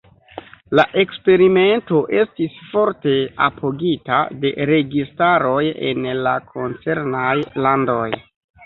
La eksperimento estis forte apogita de registaroj en la koncernaj landoj.